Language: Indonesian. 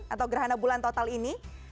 atau gerhana bulan total ini